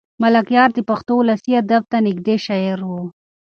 ملکیار د پښتو ولسي ادب ته نږدې شاعر و.